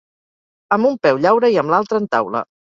Amb un peu llaura i amb l'altre entaula.